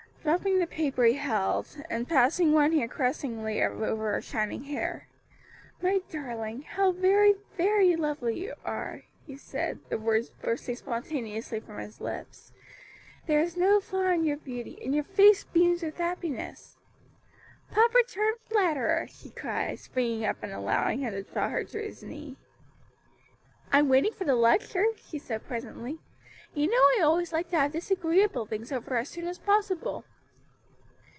Dropping the paper he held, and passing one hand caressingly over her shining hair, "My darling, how very, very lovely you are!" he said, the words bursting spontaneously from his lips; "there is no flaw in your beauty, and your face beams with happiness." "Papa turned flatterer!" she cried, springing up and allowing him to draw her to his knee. "I'm waiting for the lecture," she said presently, "you know I always like to have disagreeable things over as soon as possible."